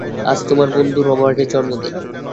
আজ তোমার বন্ধু রবার্টের জন্মদিন।